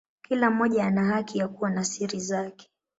Kila mmoja ana haki ya kuwa na siri zake.